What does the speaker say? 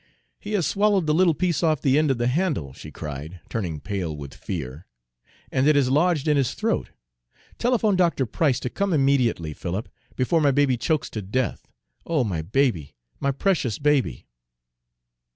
"He has swallowed the little piece off the end of the handle," she cried, turning pale with fear, "and it has lodged in his throat. Telephone Dr. Price to come immediately, Philip, before my baby chokes to death! Oh, my baby, my precious baby!"